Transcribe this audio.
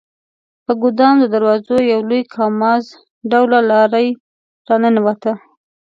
په ګدام د دروازه یو لوی کاماز ډوله لارۍ راننوته.